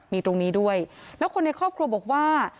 มีตรงนี้ด้วยแล้วคนในครอบครัวบอกว่า